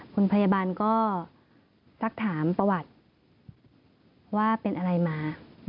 คุณพยาบาลก็สักถามประวัติว่าเป็นอะไรมา